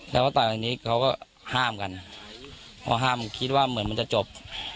แล้วก็ต่อยทีนี้เขาก็ห้ามกันพอห้ามคิดว่าเหมือนมันจะจบ